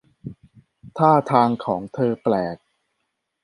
ท่าทางของเธอแปลก